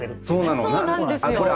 そうなんですよ。